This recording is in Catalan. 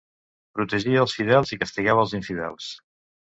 Protegia els fidels i castigava els infidels.